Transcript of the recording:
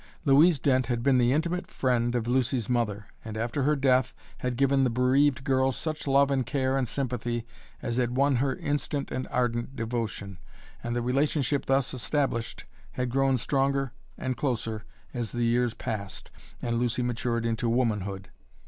Louise Dent had been the intimate friend of Lucy's mother and, after her death, had given the bereaved girl such love and care and sympathy as had won her instant and ardent devotion, and the relationship thus established had grown stronger and closer as the years passed and Lucy matured into womanhood.